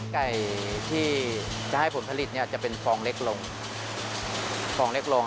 ไก่ที่จะให้ผลผลิตจะเป็นฟองเล็กลง